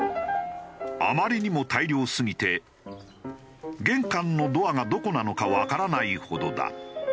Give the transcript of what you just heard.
あまりにも大量すぎて玄関のドアがどこなのかわからないほどだ。